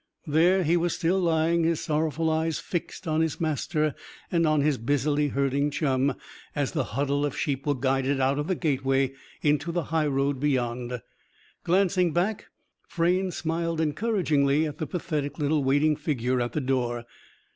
There he was still lying, his sorrowful eyes fixed on his master and on his busily herding chum; as the huddle of sheep were guided out of the gateway into the highroad beyond. Glancing back, Frayne smiled encouragingly at the pathetic little waiting figure at the door.